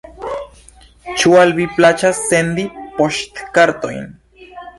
Ĉu al vi plaĉas sendi poŝtkartojn?